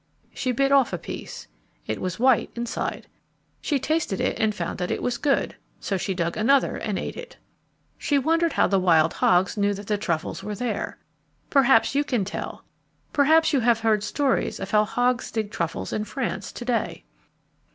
She bit off a piece. It was white inside. She tasted it and found that it was good, so she dug another and ate it. She wondered how the wild hogs knew that the truffles were there. Perhaps you can tell. Perhaps you have heard stories of how hogs dig truffles in France to day.